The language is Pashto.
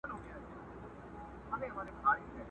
زندان سو انسانانو ته دنیا په کرنتین کي!!